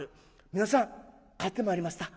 「皆さん帰ってまいりました。